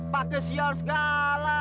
pak kisil segala